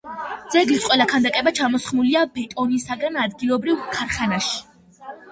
ძეგლის ყველა ქანდაკება ჩამოსხმულია ბეტონისაგან ადგილობრივ ქარხანაში.